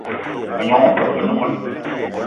A gnong opeup o Menunga